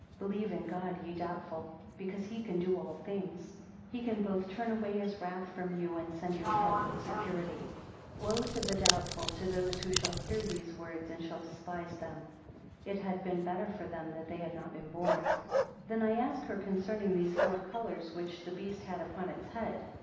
Believe in God, ye doubtful, because he can do all things; he can both turn away his wrath from you, and send you help and security. 22 Woe to the doubtful, to those who shall hear these words, and shall despise them: it had been better for them that they had not been born. 23 Then I asked her concerning the four colours which the beast had upon its head.